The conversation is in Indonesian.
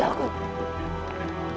ampuni mas ihmat